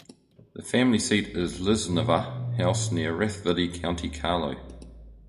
The family seat is Lisnavagh House, near Rathvilly, County Carlow.